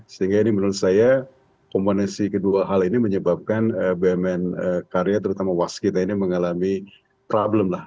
sehingga ini menurut saya komponensi kedua hal ini menyebabkan bnm karya terutama waskita ini mengalami problem lah